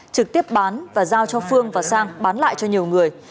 trực tiếp bán và giao cho phương và sang bán lại cho nhiều người